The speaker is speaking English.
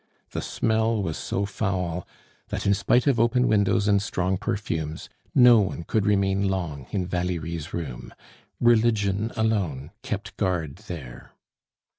The smell was so foul that in spite of open windows and strong perfumes, no one could remain long in Valerie's room. Religion alone kept guard there.